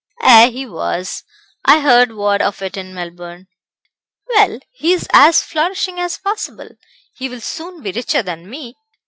"Ay, he was. I heard word of it in Melbourne." "Well, he's as flourishing as possible; he will soon be richer than me.